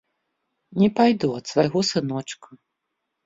Не пайду ад свайго сыночка.